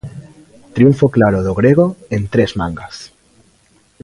Triunfo claro do grego en tres mangas.